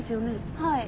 はい。